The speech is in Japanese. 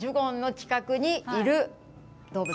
近くにいる動物？